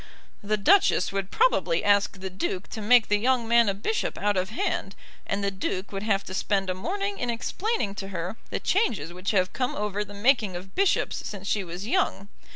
"The Duchess would probably ask the Duke to make the young man a bishop out of hand, and the Duke would have to spend a morning in explaining to her the changes which have come over the making of bishops since she was young.